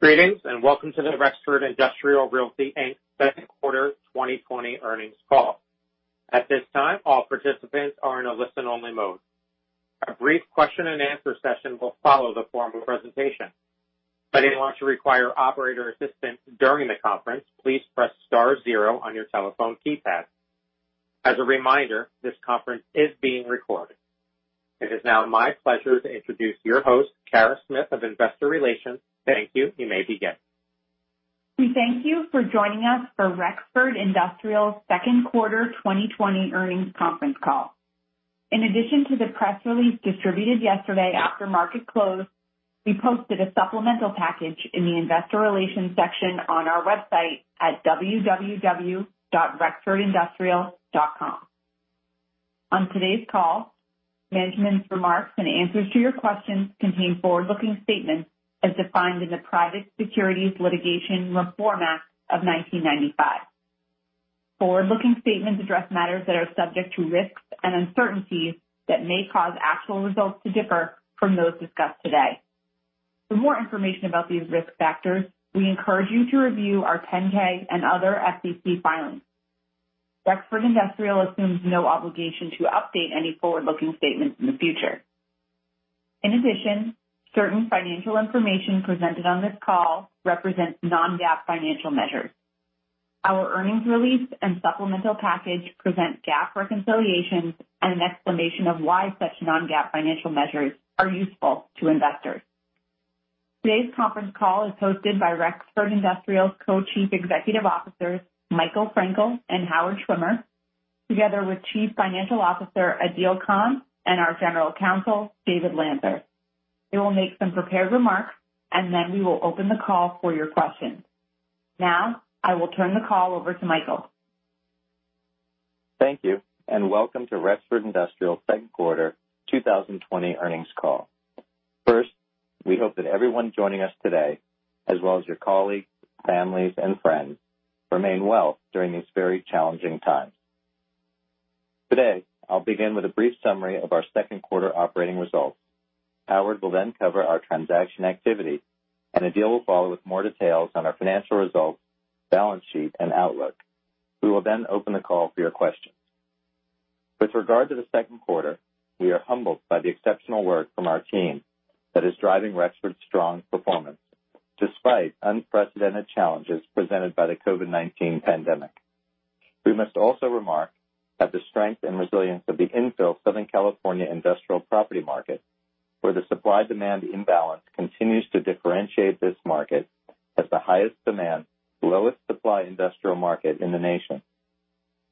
Greetings, welcome to the Rexford Industrial Realty, Inc. Second Quarter 2020 Earnings Call. At this time, all participants are in a listen only mode. A brief question and answer session will follow the formal presentation. If anyone should require operator assistance during the conference, please press star zero on your telephone keypad. As a reminder, this conference is being recorded. It is now my pleasure to introduce your host, Kara Smith of investor relations. Thank you. You may begin. We thank you for joining us for Rexford Industrial's second quarter 2020 earnings conference call. In addition to the press release distributed yesterday after market close, we posted a supplemental package in the investor relations section on our website at www.rexfordindustrial.com. On today's call, management's remarks and answers to your questions contain forward-looking statements as defined in the Private Securities Litigation Reform Act of 1995. Forward-looking statements address matters that are subject to risks and uncertainties that may cause actual results to differ from those discussed today. For more information about these risk factors, we encourage you to review our 10-K and other SEC filings. Rexford Industrial assumes no obligation to update any forward-looking statements in the future. In addition, certain financial information presented on this call represents non-GAAP financial measures. Our earnings release and supplemental package present GAAP reconciliations and an explanation of why such non-GAAP financial measures are useful to investors. Today's conference call is hosted by Rexford Industrial's Co-chief Executive Officers, Michael Frankel and Howard Schwimmer, together with Chief Financial Officer, Adeel Khan, and our General Counsel, David Lanter. They will make some prepared remarks, and then we will open the call for your questions. Now, I will turn the call over to Michael. Thank you. Welcome to Rexford Industrial second quarter 2020 earnings call. First, we hope that everyone joining us today, as well as your colleagues, families, and friends, remain well during these very challenging times. Today, I'll begin with a brief summary of our second quarter operating results. Howard will then cover our transaction activity, and Adeel will follow with more details on our financial results, balance sheet, and outlook. We will then open the call for your questions. With regard to the second quarter, we are humbled by the exceptional work from our team that is driving Rexford's strong performance despite unprecedented challenges presented by the COVID-19 pandemic. We must also remark at the strength and resilience of the infill Southern California industrial property market, where the supply/demand imbalance continues to differentiate this market as the highest demand, lowest supply industrial market in the nation.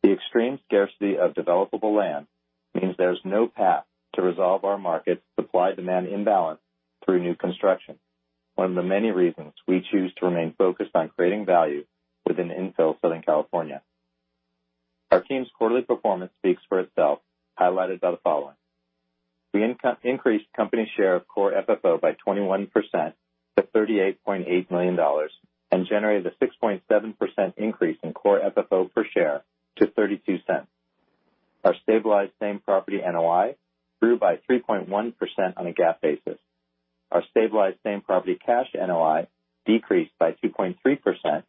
The extreme scarcity of developable land means there's no path to resolve our market's supply/demand imbalance through new construction. One of the many reasons we choose to remain focused on creating value within infill Southern California. Our team's quarterly performance speaks for itself, highlighted by the following. We increased company share of Core FFO by 21% to $38.8 million and generated a 6.7% increase in Core FFO per share to $0.32. Our stabilized same property NOI grew by 3.1% on a GAAP basis. Our stabilized same property cash NOI decreased by 2.3%,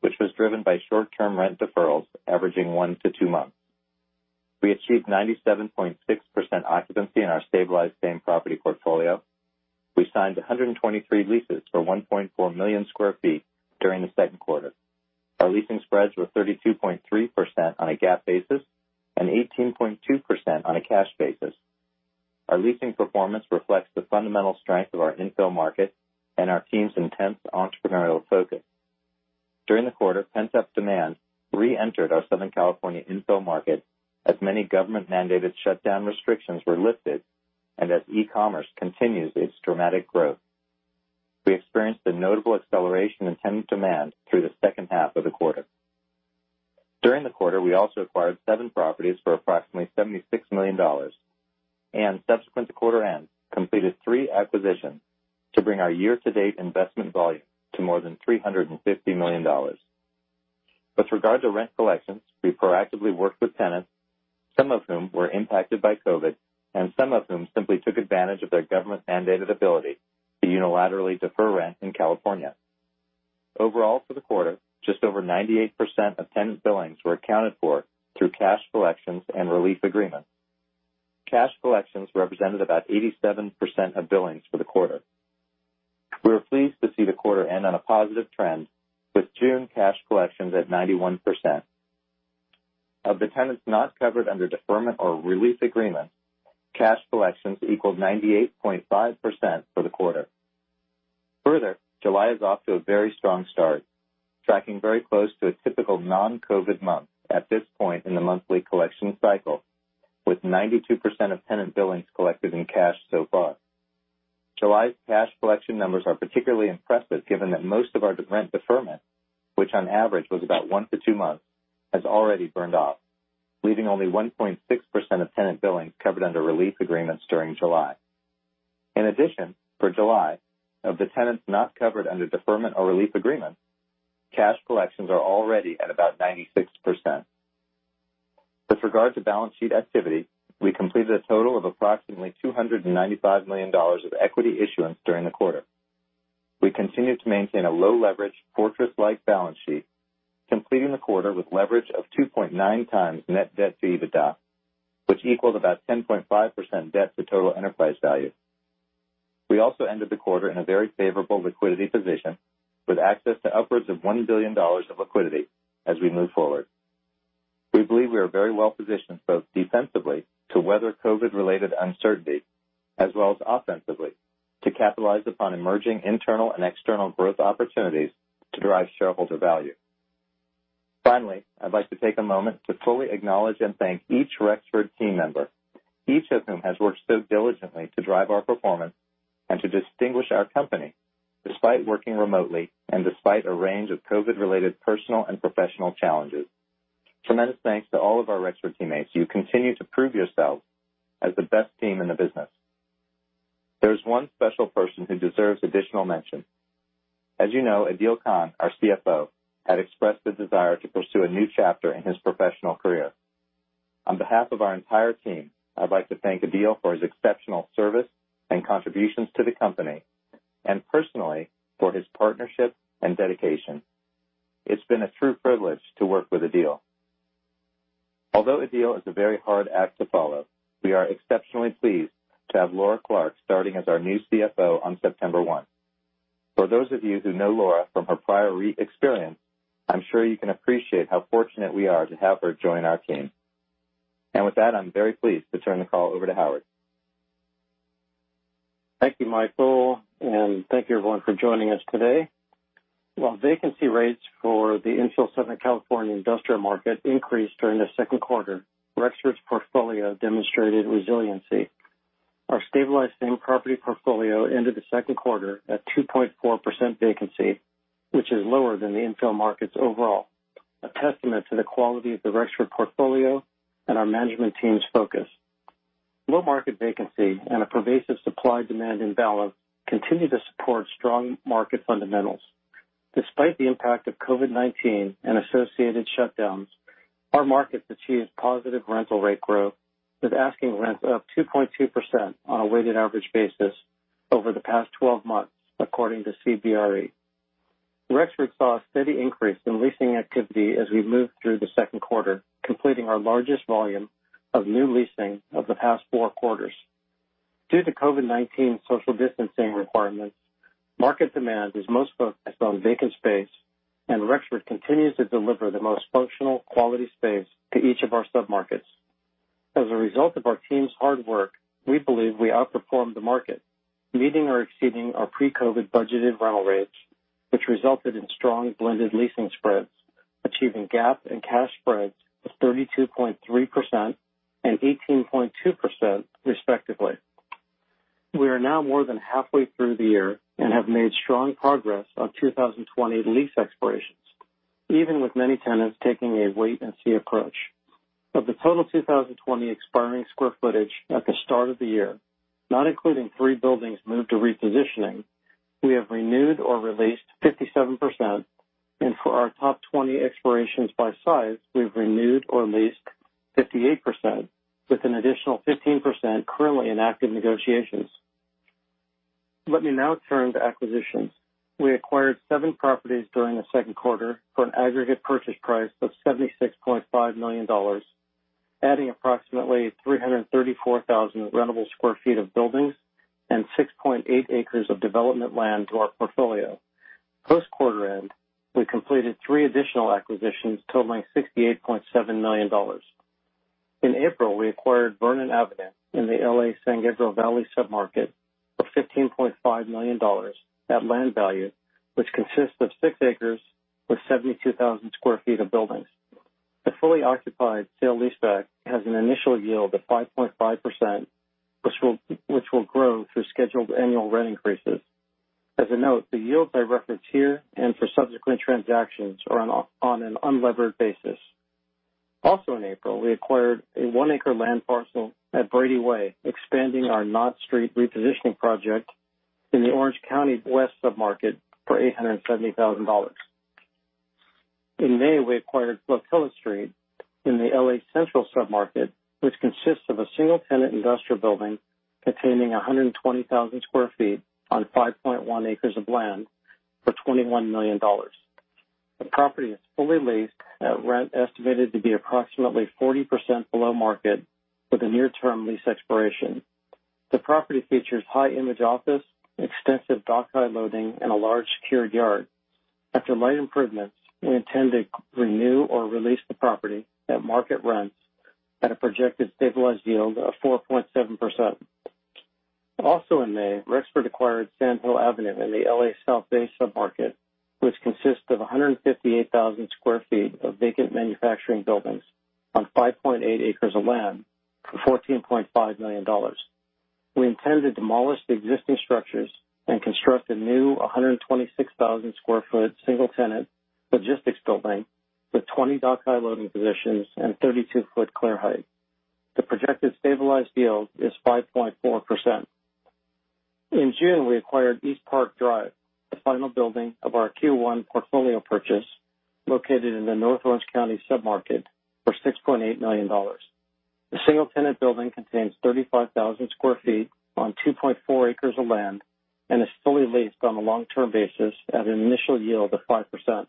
which was driven by short-term rent deferrals averaging one to two months. We achieved 97.6% occupancy in our stabilized same property portfolio. We signed 123 leases for 1.4 million square feet during the second quarter. Our leasing spreads were 32.3% on a GAAP basis and 18.2% on a cash basis. Our leasing performance reflects the fundamental strength of our infill market and our team's intense entrepreneurial focus. During the quarter, pent-up demand reentered our Southern California infill market as many government mandated shutdown restrictions were lifted and as e-commerce continues its dramatic growth. We experienced a notable acceleration in tenant demand through the second half of the quarter. During the quarter, we also acquired seven properties for approximately $76 million, and subsequent to quarter end, completed three acquisitions to bring our year-to-date investment volume to more than $350 million. With regard to rent collections, we proactively worked with tenants, some of whom were impacted by COVID, and some of whom simply took advantage of their government mandated ability to unilaterally defer rent in California. Overall for the quarter, just over 98% of tenant billings were accounted for through cash collections and relief agreements. Cash collections represented about 87% of billings for the quarter. We were pleased to see the quarter end on a positive trend with June cash collections at 91%. Of the tenants not covered under deferment or relief agreements, cash collections equaled 98.5% for the quarter. Further, July is off to a very strong start, tracking very close to a typical non-COVID-19 month at this point in the monthly collection cycle, with 92% of tenant billings collected in cash so far. July's cash collection numbers are particularly impressive given that most of our rent deferment, which on average was about one to two months, has already burned off, leaving only 1.6% of tenant billings covered under relief agreements during July. In addition, for July, of the tenants not covered under deferment or relief agreements, cash collections are already at about 96%. With regard to balance sheet activity, we completed a total of approximately $295 million of equity issuance during the quarter. We continue to maintain a low leverage fortress-like balance sheet, completing the quarter with leverage of 2.9 times net debt to EBITDA, which equaled about 10.5% debt to total enterprise value. We also ended the quarter in a very favorable liquidity position, with access to upwards of $1 billion of liquidity as we move forward. We believe we are very well positioned, both defensively to weather COVID-19 related uncertainty, as well as offensively to capitalize upon emerging internal and external growth opportunities to drive shareholder value. Finally, I'd like to take a moment to fully acknowledge and thank each Rexford team member, each of whom has worked so diligently to drive our performance and to distinguish our company, despite working remotely and despite a range of COVID-19 related personal and professional challenges. Tremendous thanks to all of our Rexford teammates. You continue to prove yourselves as the best team in the business. There's one special person who deserves additional mention. As you know, Adeel Khan, our CFO, had expressed his desire to pursue a new chapter in his professional career. On behalf of our entire team, I'd like to thank Adeel for his exceptional service and contributions to the company, and personally for his partnership and dedication. It's been a true privilege to work with Adeel. Although Adeel is a very hard act to follow, we are exceptionally pleased to have Laura Clark starting as our new CFO on September 1. For those of you who know Laura from her prior REIT experience, I'm sure you can appreciate how fortunate we are to have her join our team. With that, I'm very pleased to turn the call over to Howard. Thank you, Michael, and thank you everyone for joining us today. While vacancy rates for the infill Southern California industrial market increased during the second quarter, Rexford's portfolio demonstrated resiliency. Our stabilized same property portfolio ended the second quarter at 2.4% vacancy, which is lower than the infill markets overall, a testament to the quality of the Rexford portfolio and our management team's focus. Low market vacancy and a pervasive supply demand imbalance continue to support strong market fundamentals. Despite the impact of COVID-19 and associated shutdowns, our market achieved positive rental rate growth, with asking rents up 2.2% on a weighted average basis over the past 12 months, according to CBRE. Rexford saw a steady increase in leasing activity as we moved through the second quarter, completing our largest volume of new leasing of the past 4 quarters. Due to COVID-19 social distancing requirements, market demand is most focused on vacant space, and Rexford continues to deliver the most functional quality space to each of our submarkets. As a result of our team's hard work, we believe we outperformed the market, meeting or exceeding our pre-COVID budgeted rental rates, which resulted in strong blended leasing spreads, achieving GAAP and cash spreads of 32.3% and 18.2% respectively. We are now more than halfway through the year and have made strong progress on 2020 lease expirations, even with many tenants taking a wait and see approach. Of the total 2020 expiring square footage at the start of the year, not including three buildings moved to repositioning, we have renewed or re-leased 57%, and for our top 20 expirations by size, we've renewed or leased 58% with an additional 15% currently in active negotiations. Let me now turn to acquisitions. We acquired seven properties during the second quarter for an aggregate purchase price of $76.5 million, adding approximately 334,000 rentable sq ft of buildings and 6.8 acres of development land to our portfolio. Post quarter end, we completed three additional acquisitions totaling $68.7 million. In April, we acquired Vernon Avenue in the L.A. San Gabriel Valley submarket for $15.5 million at land value, which consists of six acres with 72,000 sq ft of buildings. The fully occupied sale leaseback has an initial yield of 5.5%, which will grow through scheduled annual rent increases. As a note, the yields I reference here and for subsequent transactions are on an unlevered basis. Also in April, we acquired a one acre land parcel at Brady Way, expanding our Knott Street repositioning project in the Orange County West submarket for $870,000. In May, we acquired Flotilla Street in the L.A. Central submarket, which consists of a single tenant industrial building containing 120,000 square feet on 5.1 acres of land for $21 million. The property is fully leased at rent estimated to be approximately 40% below market with a near term lease expiration. The property features high image office, extensive dock high loading, and a large secured yard. After light improvements, we intend to renew or re-lease the property at market rents at a projected stabilized yield of 4.7%. Also in May, Rexford acquired Sandhill Avenue in the L.A. South Bay submarket, which consists of 158,000 square feet of vacant manufacturing buildings on 5.8 acres of land for $14.5 million. We intend to demolish the existing structures and construct a new 126,000 square foot single tenant logistics building with 20 dock high loading positions and 32 foot clear height. The projected stabilized yield is 5.4%. In June, we acquired Eastpark Drive, the final building of our Q1 portfolio purchase located in the North Orange County sub-market for $6.8 million. The single-tenant building contains 35,000 square feet on 2.4 acres of land and is fully leased on a long-term basis at an initial yield of 5%.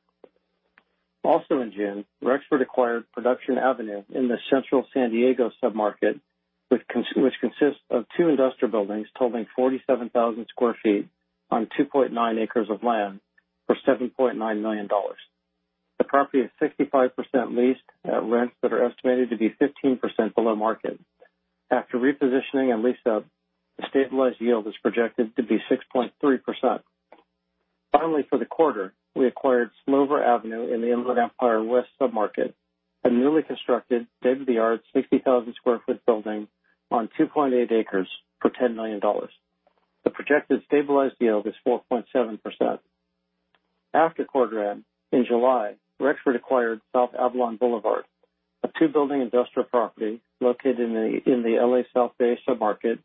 Also in June, Rexford acquired Production Avenue in the Central San Diego sub-market, which consists of two industrial buildings totaling 47,000 square feet on 2.9 acres of land for $7.9 million. The property is 65% leased at rents that are estimated to be 15% below market. After repositioning and lease up, the stabilized yield is projected to be 6.3%. Finally, for the quarter, we acquired Slover Avenue in the Inland Empire West sub-market, a newly constructed state-of-the-art 60,000-square-foot building on 2.8 acres for $10 million. The projected stabilized yield is 4.7%. After quarter end, in July, Rexford acquired South Avalon Boulevard, a two-building industrial property located in the L.A. South Bay sub-market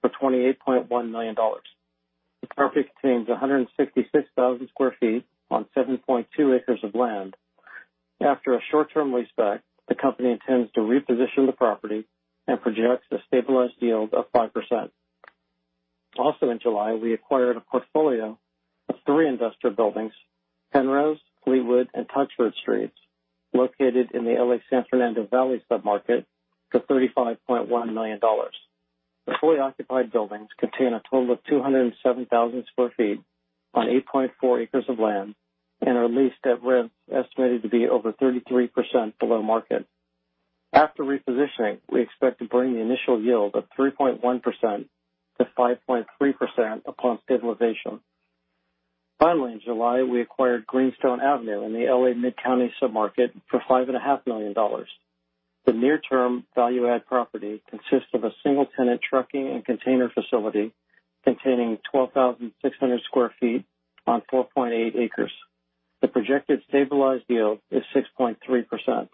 for $28.1 million. The property contains 166,000 sq ft on 7.2 acres of land. After a short-term lease back, the company intends to reposition the property and projects a stabilized yield of 5%. Also in July, we acquired a portfolio of three industrial buildings, Penrose, Gleewood, and Touchwood Streets, located in the L.A. San Fernando Valley sub-market for $35.1 million. The fully occupied buildings contain a total of 207,000 sq ft on 8.4 acres of land and are leased at rents estimated to be over 33% below market. After repositioning, we expect to bring the initial yield of 3.1% to 5.3% upon stabilization. Finally, in July, we acquired Greenstone Avenue in the L.A. - Mid-Counties sub-market for $5.5 million. The near-term value add property consists of a single-tenant trucking and container facility containing 12,600 sq ft on 4.8 acres. The projected stabilized yield is 6.3%.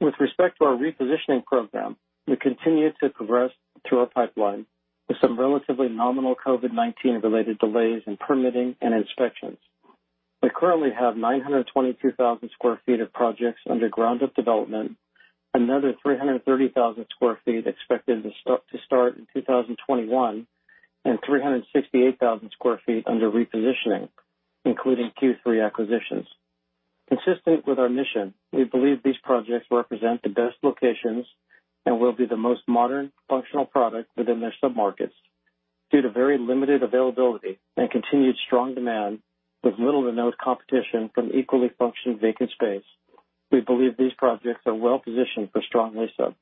With respect to our repositioning program, we continue to progress through our pipeline with some relatively nominal COVID-19 related delays in permitting and inspections. We currently have 923,000 sq ft of projects under ground-up development, another 330,000 sq ft expected to start in 2021, and 368,000 sq ft under repositioning, including Q3 acquisitions. Consistent with our mission, we believe these projects represent the best locations and will be the most modern functional product within their sub-markets. Due to very limited availability and continued strong demand with little to no competition from equally functioned vacant space, we believe these projects are well positioned for strong lease up.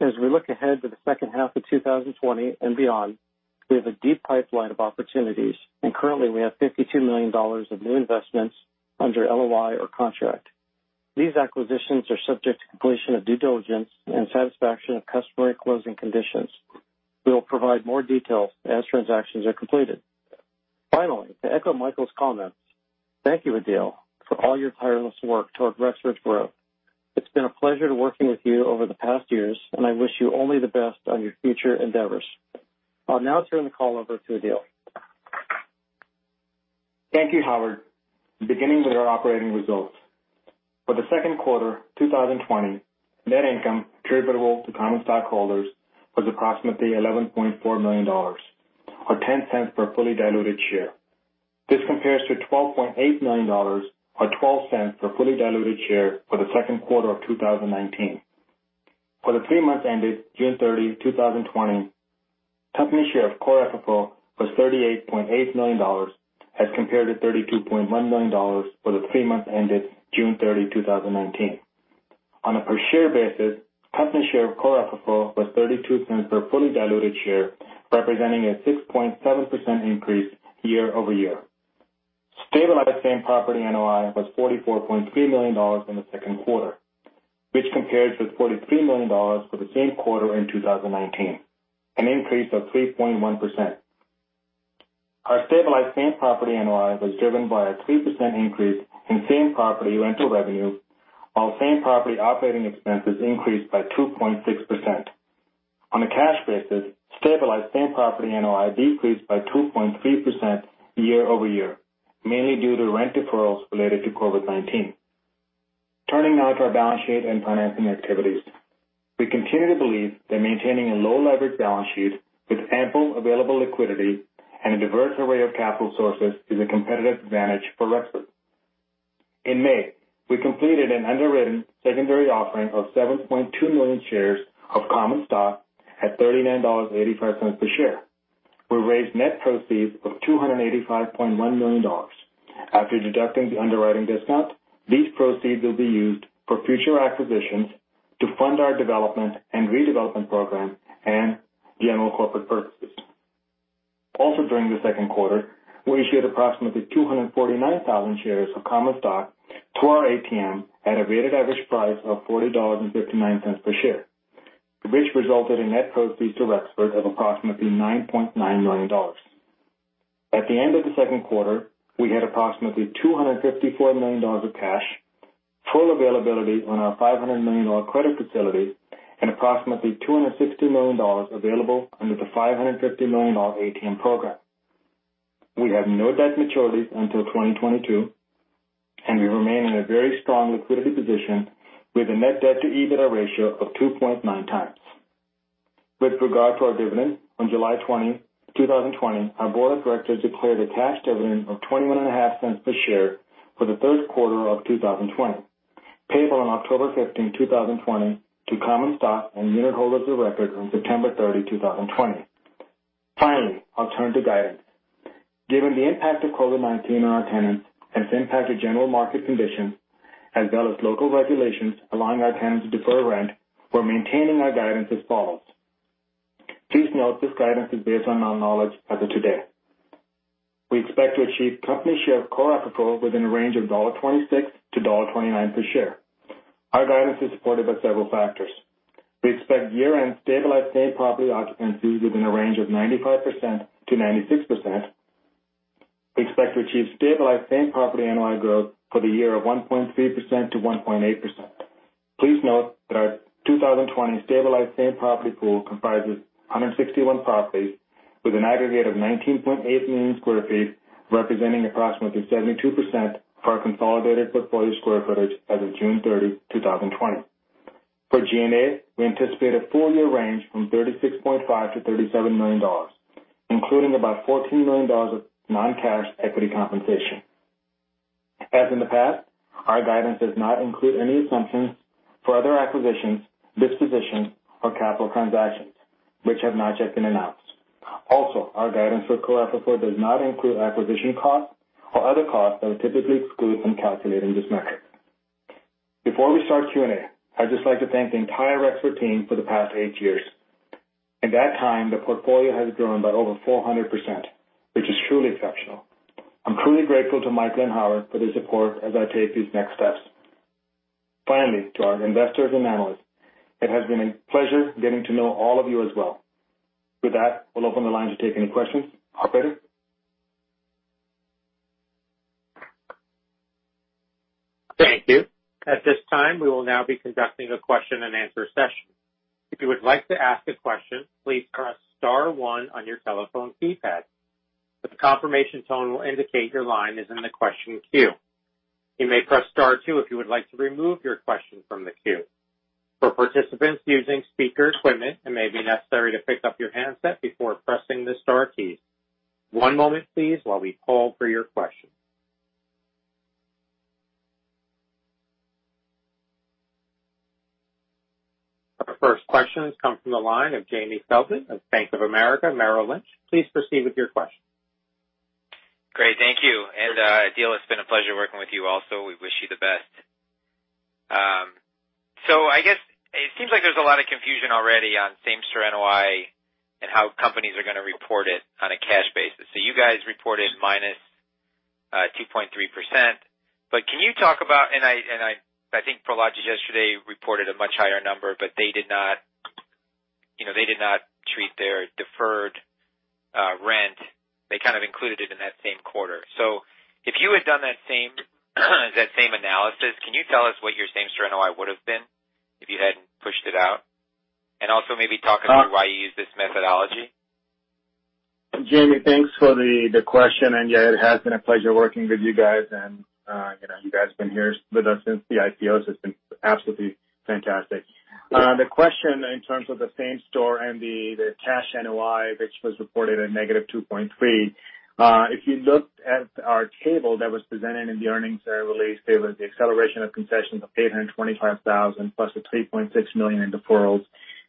As we look ahead to the second half of 2020 and beyond, we have a deep pipeline of opportunities, and currently we have $52 million of new investments under LOI or contract. These acquisitions are subject to completion of due diligence and satisfaction of customary closing conditions. We will provide more details as transactions are completed. Finally, to echo Michael's comments, thank you, Adeel, for all your tireless work toward Rexford's growth. It's been a pleasure to working with you over the past years, and I wish you only the best on your future endeavors. I'll now turn the call over to Adeel. Thank you, Howard. Beginning with our operating results. For the second quarter 2020, net income attributable to common stockholders was approximately $11.4 million, or $0.10 per fully diluted share. This compares to $12.8 million, or $0.12 per fully diluted share for the second quarter of 2019. For the three months ended June 30, 2020, company share of Core FFO was $38.8 million as compared to $32.1 million for the three months ended June 30, 2019. On a per share basis, company share of Core FFO was $0.32 per fully diluted share, representing a 6.7% increase year over year. Stabilized same-property NOI was $44.3 million in the second quarter, which compares with $43 million for the same quarter in 2019, an increase of 3.1%. Our stabilized same-property NOI was driven by a 3% increase in same-property rental revenue, while same-property operating expenses increased by 2.6%. On a cash basis, stabilized same-store NOI decreased by 2.3% year-over-year, mainly due to rent deferrals related to COVID-19. Turning now to our balance sheet and financing activities. We continue to believe that maintaining a low leverage balance sheet with ample available liquidity and a diverse array of capital sources is a competitive advantage for Rexford Industrial. In May, we completed an underwritten secondary offering of 7.2 million shares of common stock at $39.85 per share. We raised net proceeds of $285.1 million. After deducting the underwriting discount, these proceeds will be used for future acquisitions to fund our development and redevelopment program and general corporate purposes. Also during the second quarter, we issued approximately 249,000 shares of common stock to our ATM at a weighted average price of $40.59 per share, which resulted in net proceeds to Rexford of approximately $9.9 million. At the end of the second quarter, we had approximately $254 million of cash, full availability on our $500 million credit facility, and approximately $260 million available under the $550 million ATM program. We have no debt maturities until 2022, and we remain in a very strong liquidity position with a net debt to EBITDA ratio of 2.9 times. With regard to our dividend, on July 20, 2020, our board of directors declared a cash dividend of $0.215 per share for the third quarter of 2020, payable on October 15, 2020 to common stock and unit holders of record on September 30, 2020. Finally, I'll turn to guidance. Given the impact of COVID-19 on our tenants, its impact to general market conditions, as well as local regulations allowing our tenants to defer rent, we're maintaining our guidance as follows. Please note this guidance is based on our knowledge as of today. We expect to achieve company share of Core FFO within a range of $1.26-$1.29 per share. Our guidance is supported by several factors. We expect year-end stabilized same-property occupancy within a range of 95%-96%. We expect to achieve stabilized same-property NOI growth for the year of 1.3%-1.8%. Please note that our 2020 stabilized same-property pool comprises 161 properties with an aggregate of 19.8 million sq ft, representing approximately 72% of our consolidated portfolio sq footage as of June 30, 2020. For G&A, we anticipate a full-year range from $36.5 million-$37 million, including about $14 million of non-cash equity compensation. As in the past, our guidance does not include any assumptions for other acquisitions, dispositions, or capital transactions which have not yet been announced. Also, our guidance for Core FFO does not include acquisition costs or other costs that are typically excluded from calculating this metric. Before we start Q&A, I'd just like to thank the entire Rexford team for the past eight years. In that time, the portfolio has grown by over 400%, which is truly exceptional. I'm truly grateful to Michael and Howard for their support as I take these next steps. Finally, to our investors and analysts, it has been a pleasure getting to know all of you as well. With that, we'll open the line to take any questions. Operator? Thank you. At this time, we will now be conducting a question and answer session. If you would like to ask a question, please press star one on your telephone keypad. The confirmation tone will indicate your line is in the question queue. You may press star two if you would like to remove your question from the queue. For participants using speaker equipment, it may be necessary to pick up your handset before pressing the star keys. One moment, please, while we poll for your questions. Our first question comes from the line of Jamie Feldman of Bank of America Merrill Lynch. Please proceed with your question. Great. Thank you. Adeel, it's been a pleasure working with you also. We wish you the best. I guess it seems like there's a lot of confusion already on same-store NOI and how companies are going to report it on a cash basis. You guys reported -2.3%, but can you talk about. I think Prologis yesterday reported a much higher number, but they did not treat their deferred rent. They kind of included it in that same quarter. If you had done that same analysis, can you tell us what your same-store NOI would've been if you hadn't pushed it out? Also maybe talk about why you used this methodology. Jamie, thanks for the question. Yeah, it has been a pleasure working with you guys, and you guys have been here with us since the IPO, so it's been absolutely fantastic. The question in terms of the same-store and the cash NOI, which was reported at -2.3. If you looked at our table that was presented in the earnings release, there was the acceleration of concessions of $825,000, plus the $3.6 million in deferrals.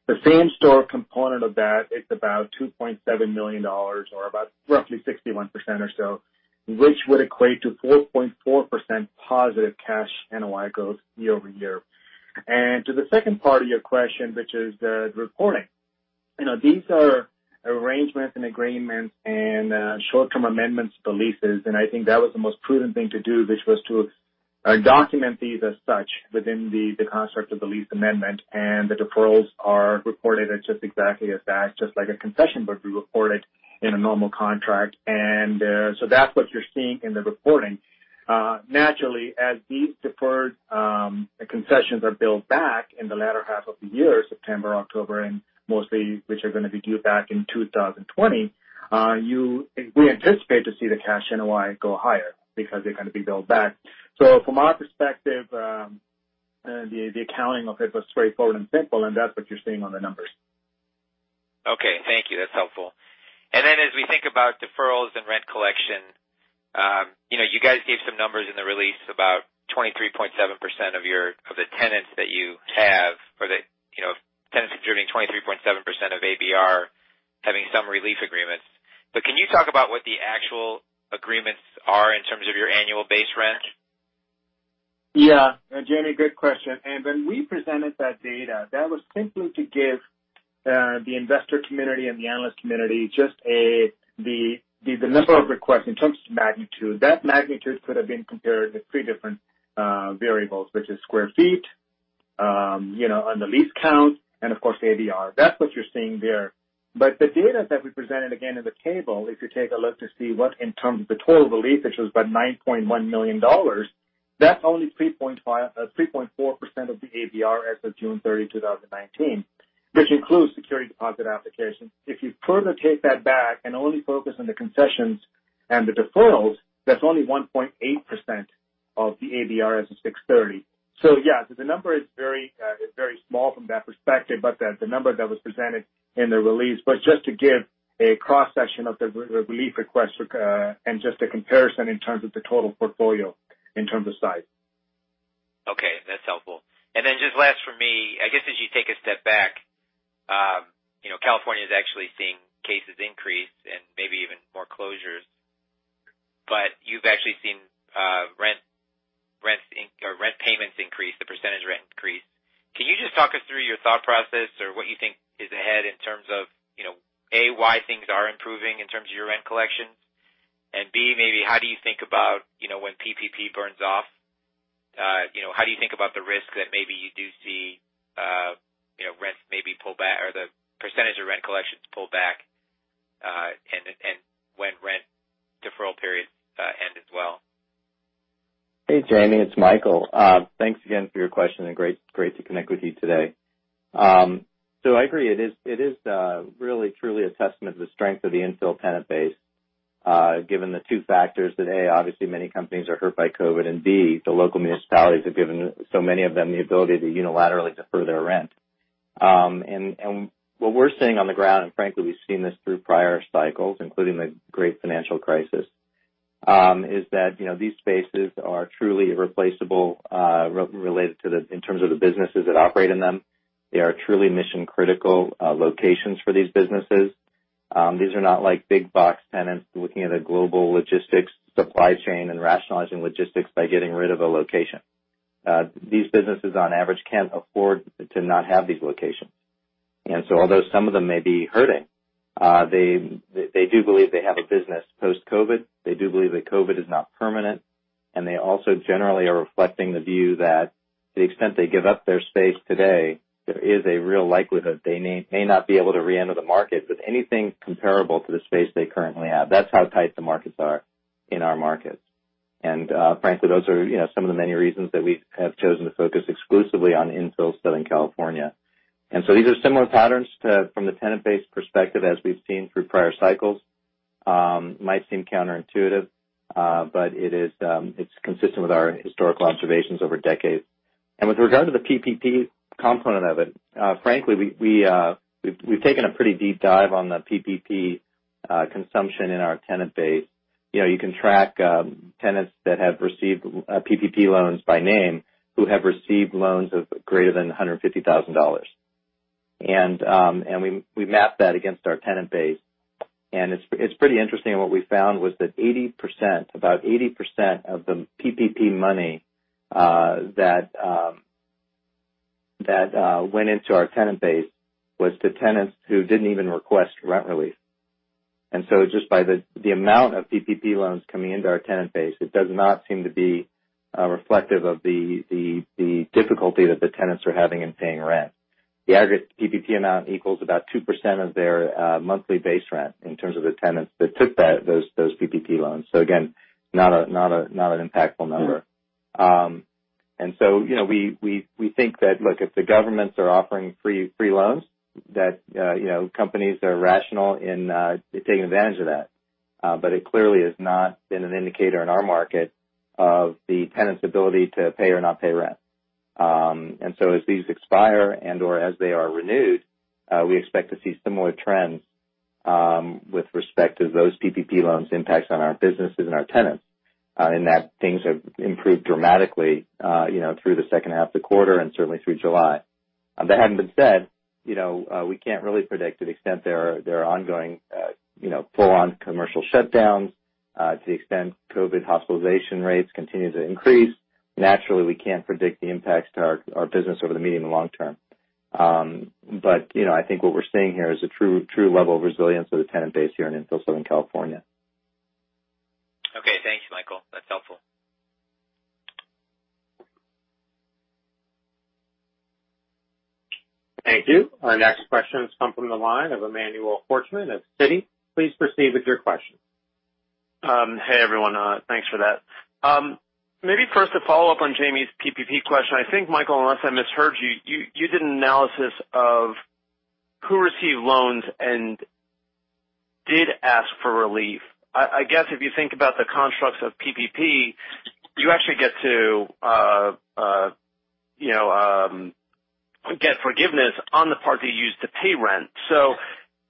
The same-store component of that is about $2.7 million, or about roughly 61% or so, which would equate to 4.4% positive cash NOI growth year-over-year. To the second part of your question, which is the reporting. These are arrangements and agreements and short-term amendments to leases. I think that was the most prudent thing to do, which was to document these as such within the construct of the lease amendment. The deferrals are reported as just exactly as that. Just like a concession would be reported in a normal contract. That's what you're seeing in the reporting. Naturally, as these deferred concessions are billed back in the latter half of the year, September, October, and mostly which are going to be due back in 2020, we anticipate to see the cash NOI go higher because they're going to be billed back. From our perspective, the accounting of it was straightforward and simple. That's what you're seeing on the numbers. Okay. Thank you. That's helpful. As we think about deferrals and rent collection, you guys gave some numbers in the release about 23.7% of the tenants that you have or the tenants contributing 23.7% of ABR having some relief agreements. Can you talk about what the actual agreements are in terms of your annual base rent? Yeah. Jamie, good question. When we presented that data, that was simply to give the investor community and the analyst community just the number of requests in terms of magnitude. That magnitude could have been compared to three different variables, which is square feet On the lease count and of course the ABR. That's what you're seeing there. The data that we presented, again, in the table, if you take a look to see what in terms of the total relief, which was about $9.1 million, that's only 3.4% of the ABR as of June 30, 2019, which includes security deposit applications. If you further take that back and only focus on the concessions and the deferrals, that's only 1.8% of the ABR as of June 30. Yeah, the number is very small from that perspective, but that's the number that was presented in the release. Just to give a cross-section of the relief request, and just a comparison in terms of the total portfolio in terms of size. Okay. That's helpful. Just last from me, I guess as you take a step back, California's actually seeing cases increase and maybe even more closures, but you've actually seen rent payments increase, the percentage rent increase. Can you just talk us through your thought process or what you think is ahead in terms of, A, why things are improving in terms of your rent collections, and B, maybe how do you think about when PPP burns off, how do you think about the risk that maybe you do see rents maybe pull back or the percentage of rent collections pull back, and when rent deferral periods end as well? Hey, Jamie, it's Michael. Thanks again for your question and great to connect with you today. I agree. It is really truly a testament to the strength of the infill tenant base given the two factors that, A, obviously many companies are hurt by COVID-19, and B, the local municipalities have given so many of them the ability to unilaterally defer their rent. What we're seeing on the ground, and frankly, we've seen this through prior cycles, including the Great Financial Crisis, is that these spaces are truly irreplaceable related to in terms of the businesses that operate in them. They are truly mission-critical locations for these businesses. These are not like big box tenants looking at a global logistics supply chain and rationalizing logistics by getting rid of a location. These businesses on average can't afford to not have these locations. Although some of them may be hurting, they do believe they have a business post-COVID. They do believe that COVID is not permanent, and they also generally are reflecting the view that the extent they give up their space today, there is a real likelihood they may not be able to reenter the market with anything comparable to the space they currently have. That's how tight the markets are in our markets. Frankly, those are some of the many reasons that we have chosen to focus exclusively on infill Southern California. These are similar patterns from the tenant base perspective as we've seen through prior cycles. Might seem counterintuitive, but it's consistent with our historical observations over decades. With regard to the PPP component of it, frankly, we've taken a pretty deep dive on the PPP consumption in our tenant base. You can track tenants that have received PPP loans by name who have received loans of greater than $150,000. We mapped that against our tenant base, and it's pretty interesting. What we found was that 80%, about 80% of the PPP money that went into our tenant base was to tenants who didn't even request rent relief. Just by the amount of PPP loans coming into our tenant base, it does not seem to be reflective of the difficulty that the tenants are having in paying rent. The aggregate PPP amount equals about 2% of their monthly base rent in terms of the tenants that took those PPP loans. Again, not an impactful number. We think that, look, if the governments are offering free loans, that companies are rational in taking advantage of that. It clearly has not been an indicator in our market of the tenant's ability to pay or not pay rent. As these expire and/or as they are renewed, we expect to see similar trends with respect to those PPP loans' impacts on our businesses and our tenants in that things have improved dramatically through the second half of the quarter and certainly through July. That having been said, we can't really predict the extent there are ongoing full-on commercial shutdowns. To the extent COVID hospitalization rates continue to increase, naturally, we can't predict the impacts to our business over the medium and long term. I think what we're seeing here is a true level of resilience of the tenant base here in infill Southern California. Okay. Thanks, Michael. That's helpful. Thank you. Our next question has come from the line of Emmanuel Korchman at Citi. Please proceed with your question. Hey, everyone. Thanks for that. Maybe first a follow-up on Jamie's PPP question. I think, Michael, unless I misheard you did an analysis of who received loans and did ask for relief. I guess if you think about the constructs of PPP, you actually get forgiveness on the part that you used to pay rent.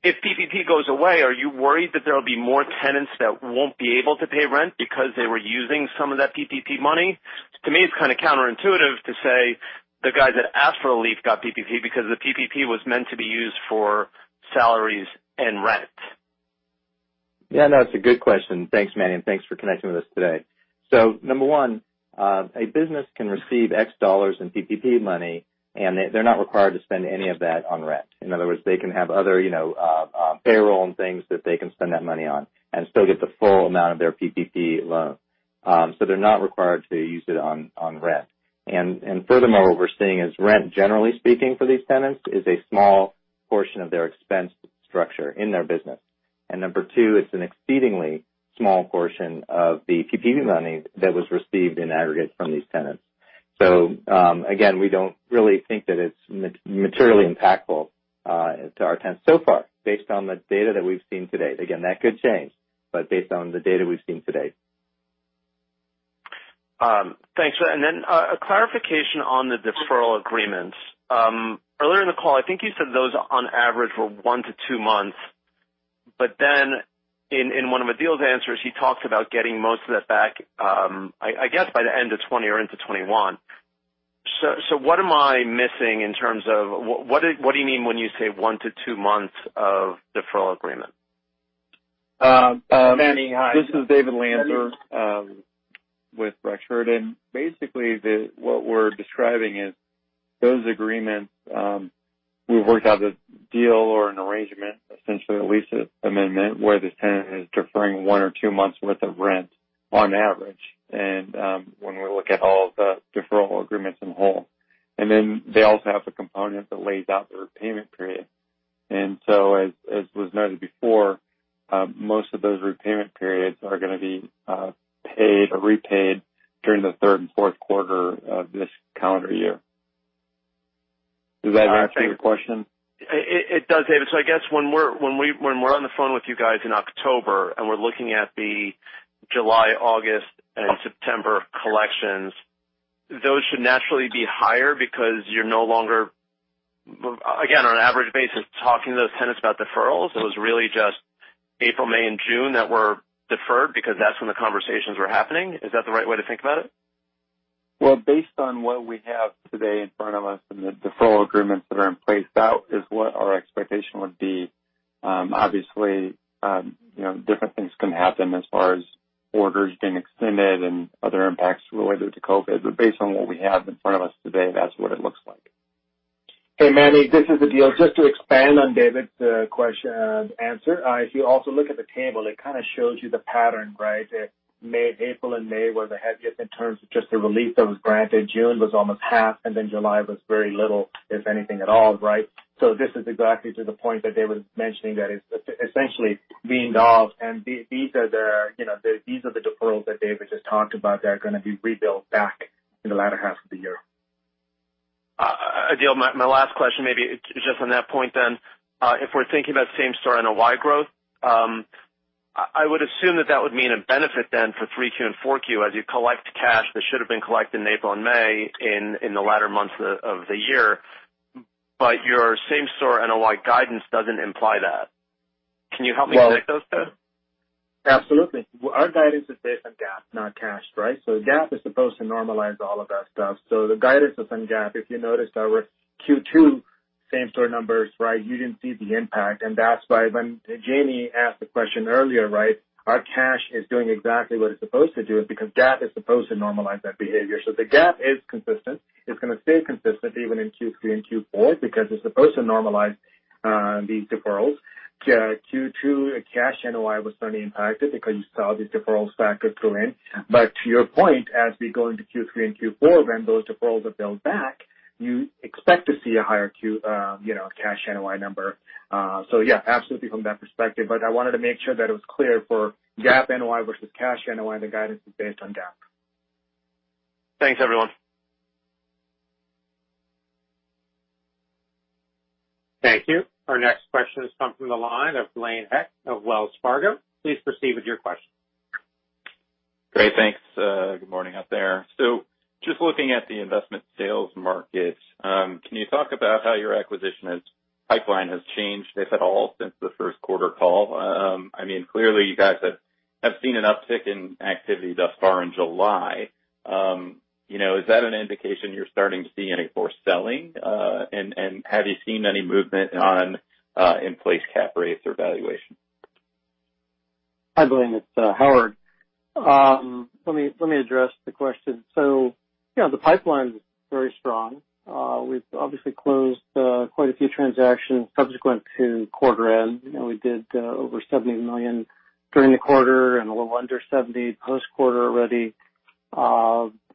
If PPP goes away, are you worried that there'll be more tenants that won't be able to pay rent because they were using some of that PPP money? To me, it's kind of counterintuitive to say the guys that asked for relief got PPP because the PPP was meant to be used for salaries and rent. Yeah, no, it's a good question. Thanks, Manny, and thanks for connecting with us today. Number 1, a business can receive $X in PPP money, and they're not required to spend any of that on rent. In other words, they can have other payroll and things that they can spend that money on and still get the full amount of their PPP loan. They're not required to use it on rent. Furthermore, what we're seeing is rent, generally speaking for these tenants, is a small portion of their expense structure in their business. Number 2, it's an exceedingly small portion of the PPP money that was received in aggregate from these tenants. Again, we don't really think that it's materially impactful to our tenants so far, based on the data that we've seen to date. Again, that could change, but based on the data we've seen to date. Thanks for that. A clarification on the deferral agreements. Earlier in the call, I think you said those on average were one to two months, in one of Adeel's answers, he talked about getting most of that back, I guess by the end of 2020 or into 2021. What am I missing? What do you mean when you say one to two months of deferral agreement? Manny, hi. This is David Lanter with Rexford Industrial, and basically what we're describing is those agreements, we've worked out a deal or an arrangement, essentially a lease amendment, where the tenant is deferring one or two months worth of rent on average. When we look at all the deferral agreements in whole. They also have the component that lays out the repayment period. As was noted before, most of those repayment periods are going to be paid or repaid during the third and fourth quarter of this calendar year. Does that answer your question? It does, David. I guess when we're on the phone with you guys in October and we're looking at the July, August, and September collections, those should naturally be higher because you're no longer, again, on an average basis, talking to those tenants about deferrals. It was really just April, May, and June that were deferred because that's when the conversations were happening. Is that the right way to think about it? Well, based on what we have today in front of us and the deferral agreements that are in place, that is what our expectation would be. Obviously, different things can happen as far as orders being extended and other impacts related to COVID, based on what we have in front of us today, that's what it looks like. Hey, Manny, this is Adeel. Just to expand on David's answer. If you also look at the table, it kind of shows you the pattern, right? April and May were the heaviest in terms of just the relief that was granted. June was almost half, and then July was very little, if anything at all, right? This is exactly to the point that David's mentioning that it's essentially being doled, and these are the deferrals that David just talked about that are going to be rebilled back in the latter half of the year. Adeel, my last question maybe just on that point then. If we're thinking about same-store NOI growth, I would assume that that would mean a benefit then for 3Q and 4Q as you collect cash that should have been collected in April and May in the latter months of the year. Your same-store NOI guidance doesn't imply that. Can you help me connect those two? Absolutely. Our guidance is based on GAAP, not cash, right? GAAP is supposed to normalize all of that stuff. The guidance of some GAAP, if you noticed our Q2 same-store numbers, right, you didn't see the impact, and that's why when Jamie asked the question earlier, right? Our cash is doing exactly what it's supposed to do because GAAP is supposed to normalize that behavior. The GAAP is consistent. It's going to stay consistent even in Q3 and Q4 because it's supposed to normalize these deferrals. Q2 cash NOI was certainly impacted because you saw the deferrals factor go in. To your point, as we go into Q3 and Q4, when those deferrals are billed back, you expect to see a higher cash NOI number. Yeah, absolutely from that perspective, but I wanted to make sure that it was clear for GAAP NOI versus cash NOI, the guidance is based on GAAP. Thanks, everyone. Thank you. Our next question has come from the line of Blaine Heck of Wells Fargo. Please proceed with your question. Great, thanks. Good morning out there. Just looking at the investment sales market, can you talk about how your acquisition pipeline has changed, if at all, since the first quarter call? I mean, clearly you guys have seen an uptick in activity thus far in July. Is that an indication you're starting to see any forced selling? Have you seen any movement on in-place cap rates or valuation? Hi, Blaine. It's Howard. Let me address the question. The pipeline is very strong. We've obviously closed quite a few transactions subsequent to quarter end. We did over $70 million during the quarter and a little under $70 million post-quarter already.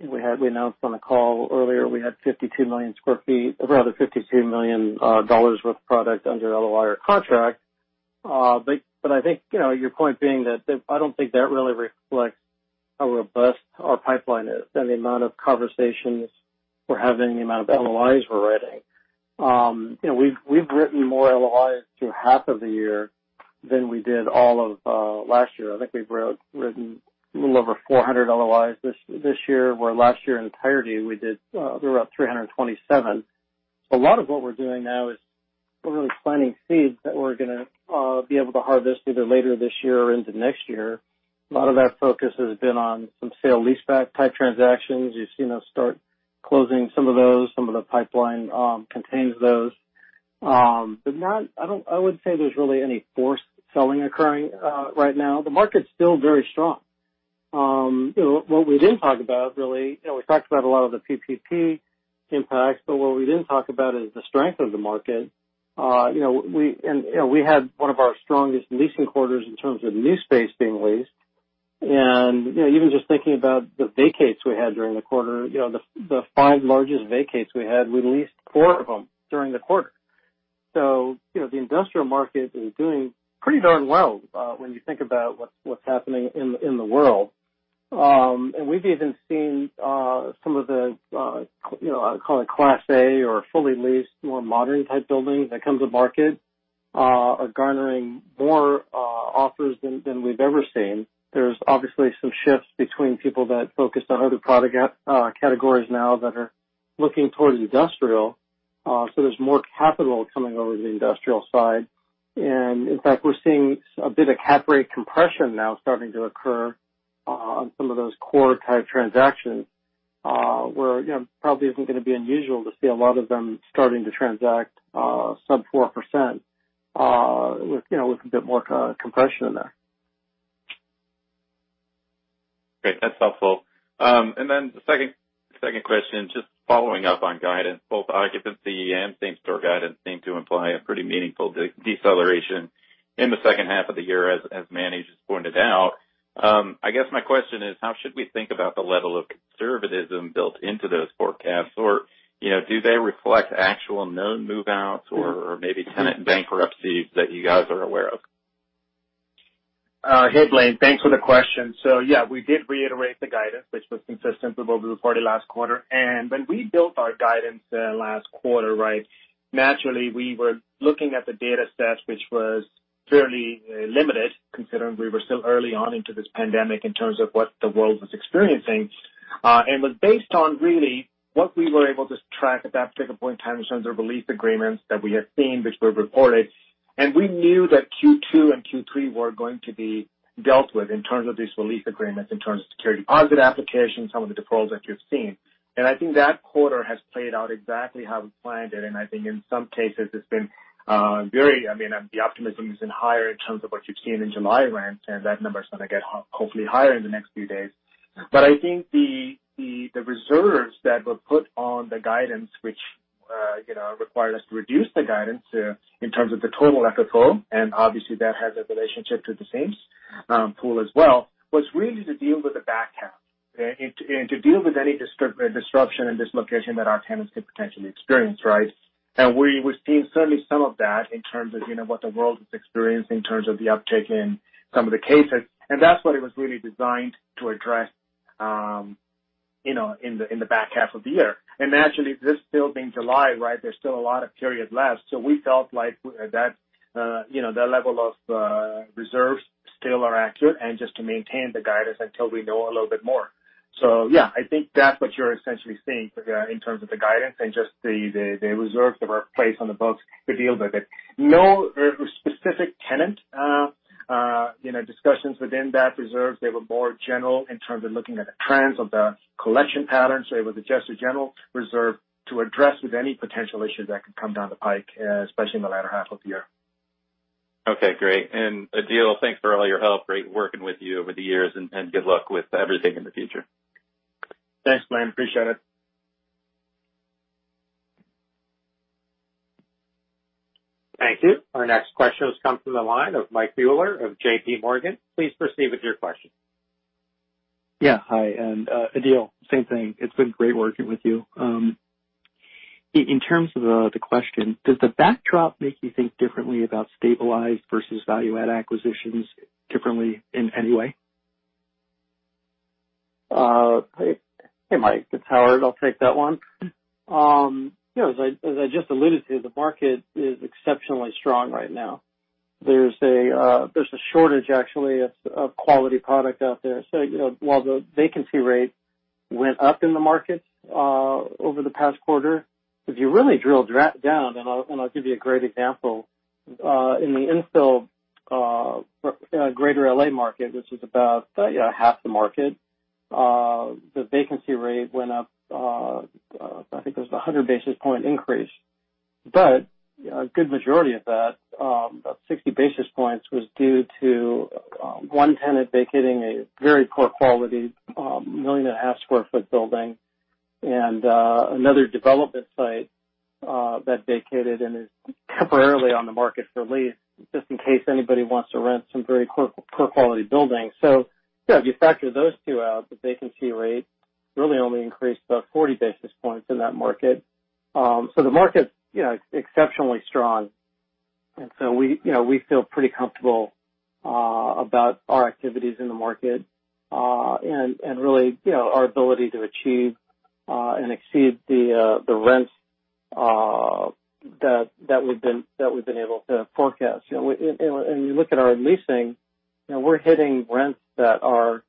We announced on the call earlier we had 52 million sq ft or rather $52 million worth of product under LOI or contract. I think your point being that I don't think that really reflects how robust our pipeline is and the amount of conversations we're having, the amount of LOIs we're writing. We've written more LOIs through half of the year than we did all of last year. I think we've written a little over 400 LOIs this year, where last year in entirety we wrote 327. A lot of what we're doing now is we're really planting seeds that we're going to be able to harvest either later this year or into next year. A lot of that focus has been on some sale leaseback type transactions. You've seen us start closing some of those. Some of the pipeline contains those. I wouldn't say there's really any forced selling occurring right now. The market's still very strong. What we didn't talk about really, we talked about a lot of the PPP impacts, but what we didn't talk about is the strength of the market. We had one of our strongest leasing quarters in terms of new space being leased, and even just thinking about the vacates we had during the quarter, the five largest vacates we had, we leased four of them during the quarter. The industrial market is doing pretty darn well when you think about what's happening in the world. We've even seen some of the, I'll call it Class A or fully leased, more modern type buildings that come to market, are garnering more offers than we've ever seen. There's obviously some shifts between people that focused on other product categories now that are looking towards industrial. There's more capital coming over to the industrial side. We're seeing a bit of cap rate compression now starting to occur on some of those core type transactions, where it probably isn't going to be unusual to see a lot of them starting to transact sub 4% with a bit more compression in there. Great. That's helpful. The second question, just following up on guidance, both occupancy and same-store guidance seem to imply a pretty meaningful deceleration in the second half of the year as Manny just pointed out. I guess my question is, how should we think about the level of conservatism built into those forecasts? Or do they reflect actual known move-outs or maybe tenant bankruptcies that you guys are aware of? Hey, Blaine. Thanks for the question. Yeah, we did reiterate the guidance, which was consistent with what we reported last quarter. When we built our guidance last quarter, right, naturally we were looking at the data set, which was fairly limited considering we were still early on into this pandemic in terms of what the world was experiencing. It was based on really what we were able to track at that particular point in time in terms of relief agreements that we had seen, which were reported. We knew that Q2 and Q3 were going to be dealt with in terms of these relief agreements, in terms of security deposit applications, some of the defaults that you've seen. I think that quarter has played out exactly how we planned it, and I think in some cases it's been very. The optimism is even higher in terms of what you've seen in July rents, and that number is going to get hopefully higher in the next few days. I think the reserves that were put on the guidance, which required us to reduce the guidance in terms of the total FFO, and obviously that has a relationship to the same-store pool as well, was really to deal with the back half and to deal with any disruption and dislocation that our tenants could potentially experience, right. We're seeing certainly some of that in terms of what the world is experiencing, in terms of the uptick in some of the cases. That's what it was really designed to address in the back half of the year. Naturally, this still being July, right, there's still a lot of period left. We felt like that level of reserves still are accurate, and just to maintain the guidance until we know a little bit more. Yeah, I think that's what you're essentially seeing in terms of the guidance and just the reserves that were placed on the books to deal with it. No specific tenant discussions within that reserve. They were more general in terms of looking at the trends of the collection patterns. It was just a general reserve to address with any potential issues that could come down the pike, especially in the latter half of the year. Okay, great. Adeel, thanks for all your help. Great working with you over the years, and good luck with everything in the future. Thanks, Blaine. Appreciate it. Thank you. Our next question has come from the line of Mike Mueller of JPMorgan. Please proceed with your question. Yeah. Hi, Adeel, same thing. It's been great working with you. In terms of the question, does the backdrop make you think differently about stabilized versus value add acquisitions differently in any way? Hey, Mike. It's Howard. I'll take that one. As I just alluded to, the market is exceptionally strong right now. There's actually a shortage of quality product out there. While the vacancy rate went up in the market over the past quarter, if you really drill down, I'll give you a great example. In the infill greater L.A. market, which is about half the market, the vacancy rate went up, I think it was 100 basis point increase. A good majority of that, about 60 basis points, was due to one tenant vacating a very poor quality, 1.5 million sq ft building, and another development site that vacated and is temporarily on the market for lease, just in case anybody wants to rent some very poor quality building. Yeah, if you factor those two out, the vacancy rate really only increased about 40 basis points in that market. The market's exceptionally strong. We feel pretty comfortable about our activities in the market, and really our ability to achieve and exceed the rents that we've been able to forecast. When you look at our leasing, we're hitting rents that are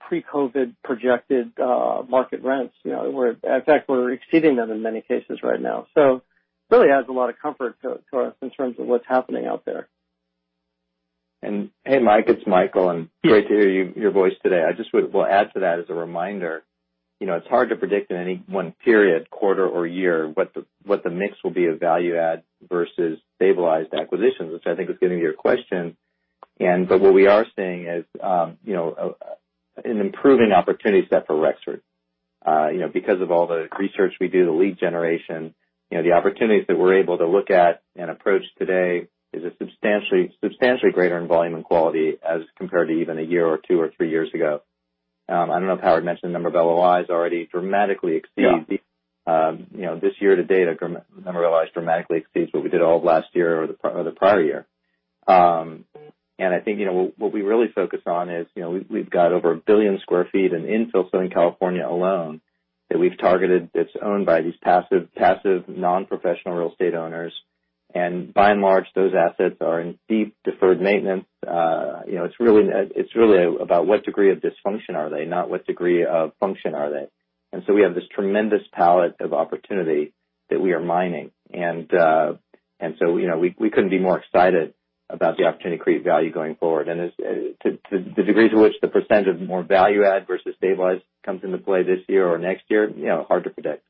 pre-COVID-19 projected market rents. In fact, we're exceeding them in many cases right now. Really adds a lot of comfort to us in terms of what's happening out there. Hey, Mike, it's Michael and great to hear your voice today. I just will add to that as a reminder, it's hard to predict in any one period, quarter or year what the mix will be of value add versus stabilized acquisitions, which I think was getting to your question. What we are seeing is an improving opportunity set for Rexford. Because of all the research we do, the lead generation, the opportunities that we're able to look at and approach today is substantially greater in volume and quality as compared to even a year or two or three years ago. I don't know if Howard mentioned the number of LOIs already dramatically exceeds. Yeah this year to date, the number of LOIs dramatically exceeds what we did all of last year or the prior year. I think, what we really focus on is, we've got over 1 billion square feet in infill Southern California alone that we've targeted, that's owned by these passive, non-professional real estate owners. By and large, those assets are in deep deferred maintenance. It's really about what degree of dysfunction are they, not what degree of function are they. We have this tremendous palette of opportunity that we are mining. We couldn't be more excited about the opportunity to create value going forward. As to the degree to which the % of more value add versus stabilize comes into play this year or next year, hard to predict.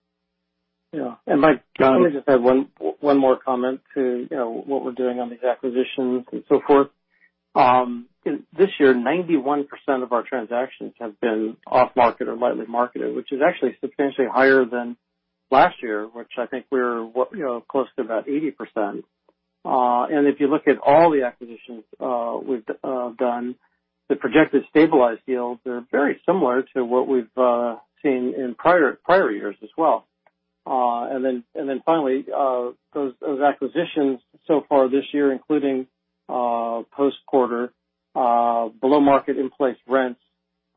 Yeah. Mike, can I just add one more comment to what we're doing on these acquisitions and so forth? This year, 91% of our transactions have been off-market or lightly marketed, which is actually substantially higher than last year, which I think we're close to about 80%. If you look at all the acquisitions we've done, the projected stabilized yields are very similar to what we've seen in prior years as well. Finally, those acquisitions so far this year, including post-quarter, below-market in-place rents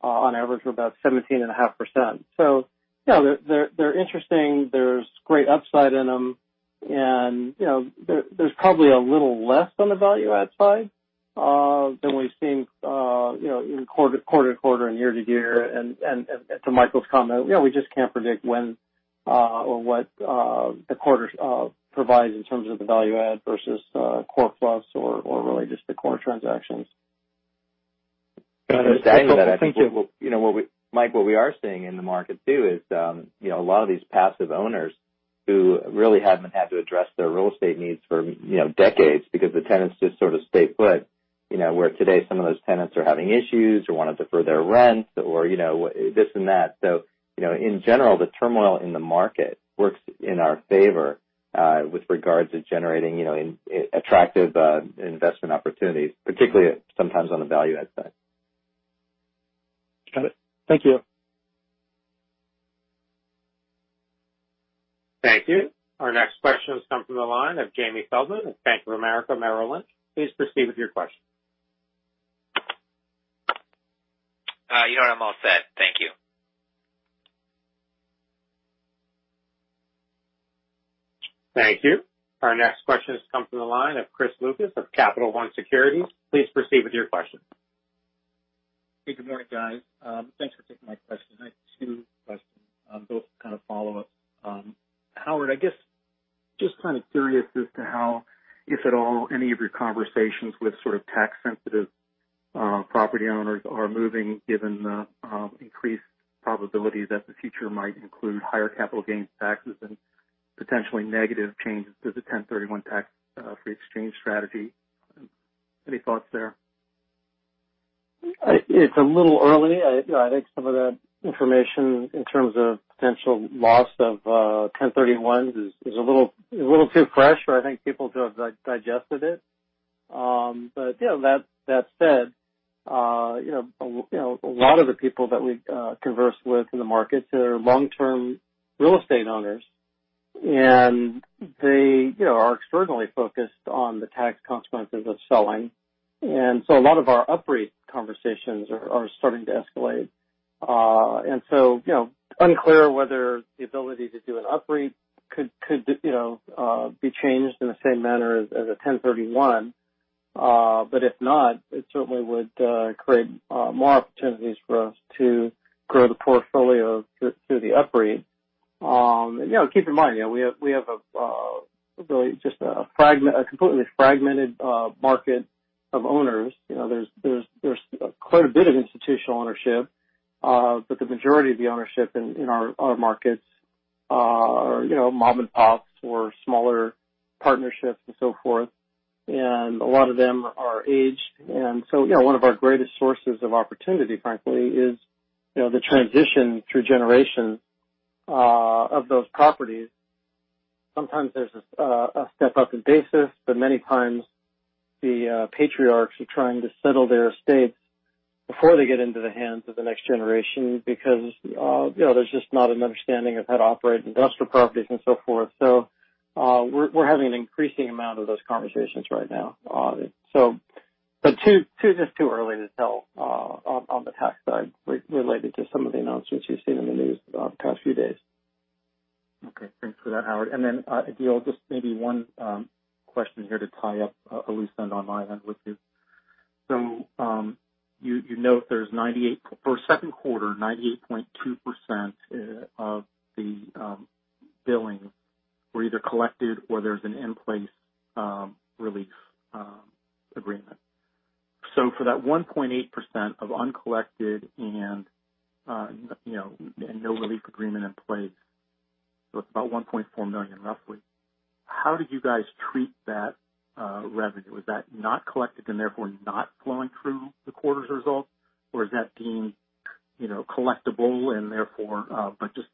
on average were about 17.5%. Yeah, they're interesting. There's great upside in them, and there's probably a little less on the value-add side than we've seen quarter-to-quarter and year-to-year. To Michael's comment, we just can't predict when or what the quarters provide in terms of the value add versus core plus or really just the core transactions. Mike, what we are seeing in the market too is a lot of these passive owners who really haven't had to address their real estate needs for decades because the tenants just sort of stay put. Where today some of those tenants are having issues or want to defer their rent or this and that. In general, the turmoil in the market works in our favor, with regards to generating attractive investment opportunities, particularly sometimes on the value add side. Got it. Thank you. Thank you. Our next question has come from the line of Jamie Feldman of Bank of America Merrill Lynch. Please proceed with your question. You're on mute. Thank you. Our next question has come from the line of Chris Lucas of Capital One Securities. Please proceed with your question. Hey, good morning, guys. Thanks for taking my question. I have two questions, both kind of follow-ups. Howard, I guess, just kind of curious as to how, if at all, any of your conversations with sort of tax-sensitive property owners are moving given the increased probability that the future might include higher capital gains taxes and potentially negative changes to the 1031 tax-free exchange strategy. Any thoughts there? It's a little early. I think some of the information in terms of potential loss of 1031s is a little too fresh, for people to have digested it. That said, a lot of the people that we've conversed with in the markets are long-term real estate owners, and they are externally focused on the tax consequences of selling. A lot of our UPREIT conversations are starting to escalate. Unclear whether the ability to do an UPREIT could be changed in the same manner as a 1031. If not, it certainly would create more opportunities for us to grow the portfolio through the UPREIT. Keep in mind, we have really just a completely fragmented market of owners. There's quite a bit of institutional ownership. The majority of the ownership in our markets are mom-and-pops or smaller partnerships and so forth. A lot of them are aged. One of our greatest sources of opportunity, frankly, is the transition through generation of those properties. Sometimes there's a step-up in basis, but many times the patriarchs are trying to settle their estates before they get into the hands of the next generation because there's just not an understanding of how to operate industrial properties and so forth. We're having an increasing amount of those conversations right now. It's just too early to tell on the tax side related to some of the announcements you've seen in the news the past few days. Thanks for that, Howard. Adeel, just maybe one question here to tie up a loose end on my end with you. You note for second quarter, 98.2% of the billing were either collected or there's an in-place relief agreement. For that 1.8% of uncollected and no relief agreement in place. It's about $1.4 million, roughly. How do you guys treat that revenue? Is that not collected and therefore not flowing through the quarter's result? Is that deemed collectible and therefore just